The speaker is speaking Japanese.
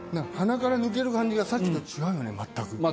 鼻から抜ける感じがさっきと違うよね全く。